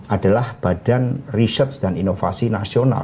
adalah badan riset dan inovasi nasional